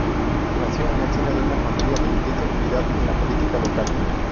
Nació en el seno de una familia de intensa actividad en la política local.